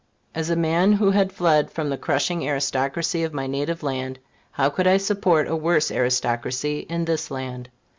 As a man who had fled from the crushing aristocracy of my native land, how could I support a worse aristocracy in this land?